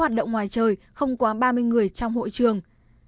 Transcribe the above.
hoạt động ngoài trời không quá ba mươi người trong hội trường